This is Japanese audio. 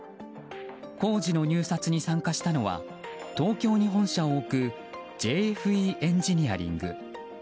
工事の入札に参加したのは東京に本社を置くＪＦＥエンジニアリング。